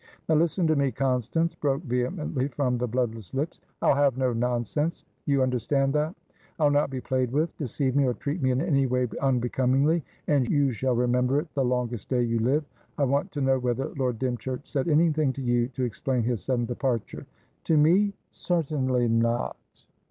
"Now listen to me, Constance," broke vehemently from the bloodless lips. "I'll have no nonsense! You understand that? I'll not be played with. Deceive me, or treat me in any way unbecomingly, and you shall remember it the longest day you live. I want to know whether Lord Dymchurch said anything to you to explain his sudden departure?" "To me? Certainly not."